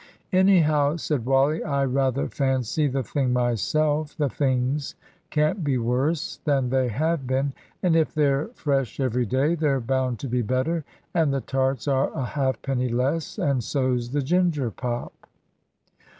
"Anyhow," said Wally, "I rather fancy the thing myself. The things can't be worse than they have been, and if they're fresh every day, they're bound to be better, and the tarts are a halfpenny less, and so's the ginger pop."